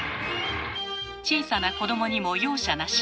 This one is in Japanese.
小さな子どもにも容赦なし。